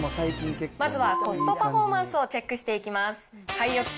まずはコストパフォーマンスをチェックしていきます。